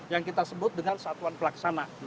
yang kita sebut dengan satuan pelaksana